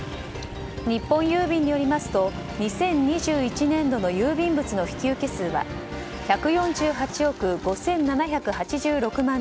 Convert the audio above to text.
日本郵便によりますと２０２１年度の郵便物の引き受け数は１４８億５７８６万